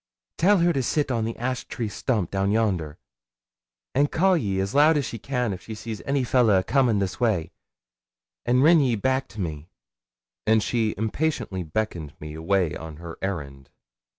'Tell her to sit on the ash tree stump down yonder, and call ye as loud as she can if she sees any fellah a comin' this way, an' rin ye back to me;' and she impatiently beckoned me away on her errand.